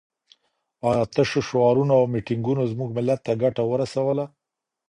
ایا تشو شعارونو او میټینګونو زموږ ملت ته ګټه ورسوله؟